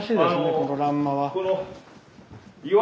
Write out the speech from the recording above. この欄間は。